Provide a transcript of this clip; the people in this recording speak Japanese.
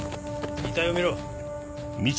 遺体を見ろ。